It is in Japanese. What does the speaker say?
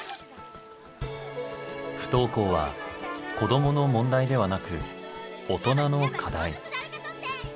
不登校は子どもの問題ではなく大人の課題。